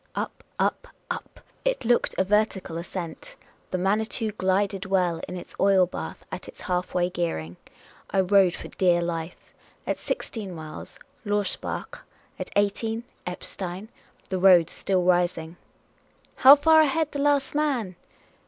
Up, up, up ; it looked a vertical ascent ; the Manitou glided well in its oil batli at its half way gearing, I rode for dear life. At sixteen miles, Lorsbach ; at eighteen, Eppstein ; the road still rising. "How far ahead the last man?"